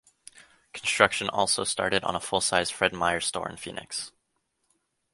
Construction also started on a full sized Fred Meyer store in Phoenix.